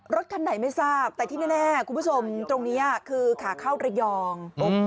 รถคันไหนไม่ทราบแต่ที่แน่คุณผู้ชมตรงนี้คือขาเข้าระยอง